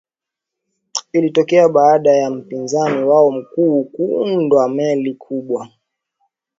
ilitokea baada ya mpinzani wao mkuu kuundwa meli kubwa